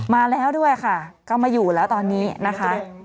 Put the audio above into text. มาแล้วด้วยค่ะก็มาอยู่แล้วตอนนี้นะคะ